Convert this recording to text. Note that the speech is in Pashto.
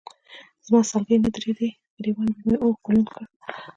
زما سلګۍ نه درېدې، ګرېوان مې به اوښکو لوند کړ.